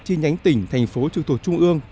trên nhánh tỉnh thành phố trực thuộc trung ương